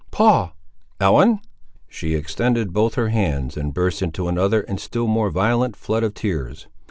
"Paul!" "Ellen!" She extended both her hands and burst into another and a still more violent flood of tears.